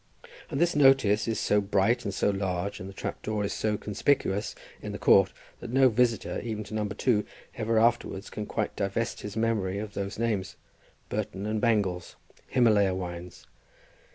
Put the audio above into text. And this notice is so bright and so large, and the trap door is so conspicuous in the court, that no visitor, even to No. 2, ever afterwards can quite divest his memory of those names, Burton and Bangles, Himalaya wines.